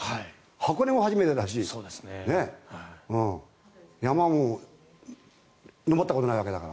箱根も初めてだし山も上ったことないわけだから。